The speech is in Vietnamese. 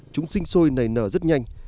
chúng sinh sôi nảy nở rất nhanh